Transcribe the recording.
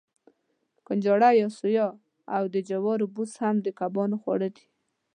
کنجاړه یا سویا او د جوارو بوس هم د کبانو خواړه دي.